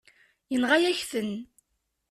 Yenɣa-yak-ten.